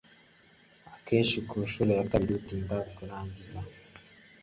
akenshi ku nshuro ya kabiri utinda kurangiza.